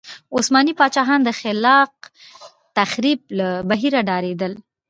عثماني پاچاهان د خلاق تخریب له بهیره ډارېدل.